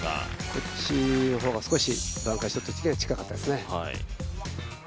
こっちの方がバンカーショットとしては近かったですね。